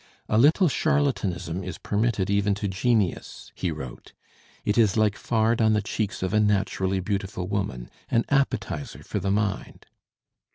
"A little charlatanism is permitted even to genius," he wrote: "it is like fard on the cheeks of a naturally beautiful woman; an appetizer for the mind."